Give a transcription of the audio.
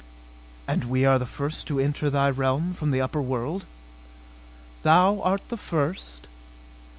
"And we are the first to enter thy realm from the upper world?" "Thou art the first."